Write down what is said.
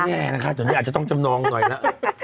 อาจจะต้องจำนองหน่อยนะ